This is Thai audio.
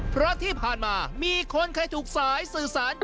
เพราะที่ผ่านมามีคนเคยถูกสายสื่อสาร